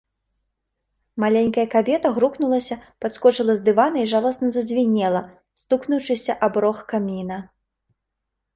Маленькая кабета грукнулася, падскочыла з дывана і жаласна зазвінела, стукнуўшыся аб рог каміна.